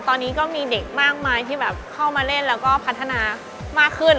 ตอนนี้ก็มีเด็กมากมายที่แบบเข้ามาเล่นแล้วก็พัฒนามากขึ้น